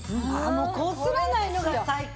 もうこすらないのが最高！